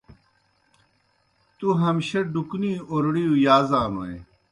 تُوْ ہمشہ ڈُکنی اورڑِیؤ یازانوئے۔